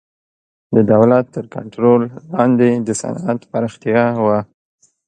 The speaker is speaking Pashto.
د دولت تر کنټرول لاندې د صنعت پراختیا وه